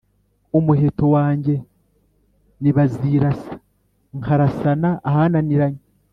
umuheto wange ni bazirasa nkarasana ahananiranye